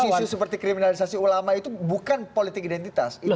isu isu seperti kriminalisasi ulama itu bukan politik identitas